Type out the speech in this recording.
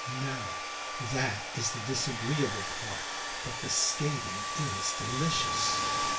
"No; that is the disagreeable part; but the skating is delicious."